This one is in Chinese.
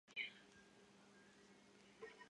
卡伦山。